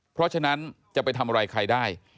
เพราะฉะนั้นจะไปทำอะไรใครได้